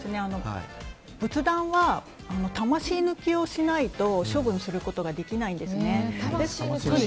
仏壇は魂抜きをしないと処分することができないんですね。